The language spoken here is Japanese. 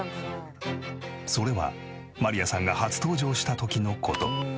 それはマリアさんが初登場した時の事。